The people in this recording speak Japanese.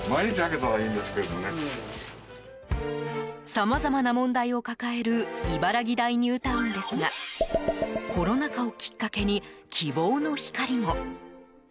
さまざまな問題を抱える茨木台ニュータウンですがコロナ禍をきっかけに希望の光も。